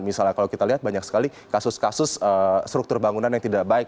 misalnya kalau kita lihat banyak sekali kasus kasus struktur bangunan yang tidak baik